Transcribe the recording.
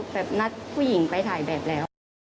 แบบนัดผู้หญิงไปถ่ายแบบแล้ว